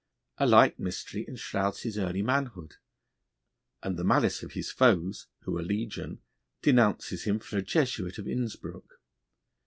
A like mystery enshrouds his early manhood, and the malice of his foes, who are legion, denounces him for a Jesuit of Innsbruck.